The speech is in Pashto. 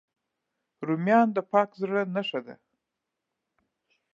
رومیان د پاک زړه نښه ده